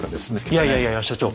いやいやいやいや所長。